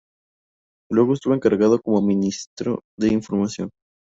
Luego estuvo encargado como Ministro de Información.